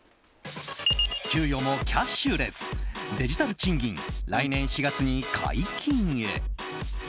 給与もキャッシュレスデジタル賃金、来年４月に解禁へ。